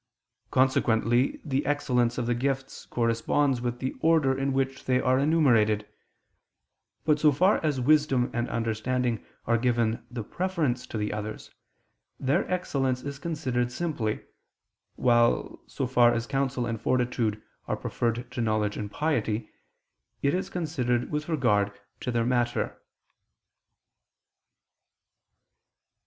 Consequently the excellence of the gifts corresponds with the order in which they are enumerated; but so far as wisdom and understanding are given the preference to the others, their excellence is considered simply, while, so far, as counsel and fortitude are preferred to knowledge and piety, it is considered with regard to their matter.